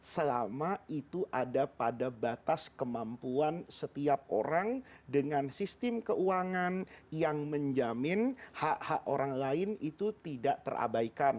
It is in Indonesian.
selama itu ada pada batas kemampuan setiap orang dengan sistem keuangan yang menjamin hak hak orang lain itu tidak terabaikan